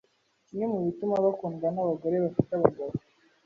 kimwe mu bituma bakundwa n’abagore bafite abagabo.